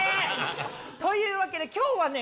というわけで今日はね